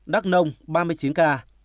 đắk nông ba mươi chín ca